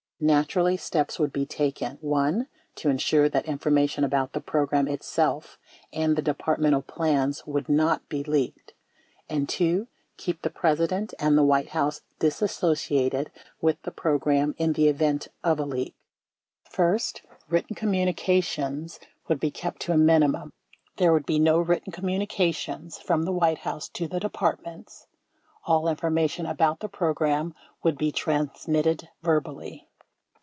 Naturally, steps would be taken : (1) To insure that information about the program itself and the Departmental plans would not be leaked; and (2) keep the President and the White House disassociated with the program in the event of a leak. First, written communications would be kept to a mini mum. There would be no written communications from the White House to the Departments — all information about the program would be transmitted verbally.